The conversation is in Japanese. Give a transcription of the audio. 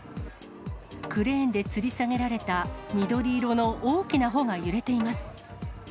クレーンでつり下げられた緑色の大きな帆が揺れています。